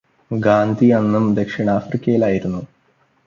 ഗാന്ധി അന്നും ദക്ഷിണാഫ്രിക്കയിലായിരുന്നു.